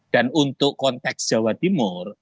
dan untuk konteks jawa timur